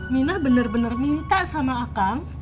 minah bener bener minta sama akang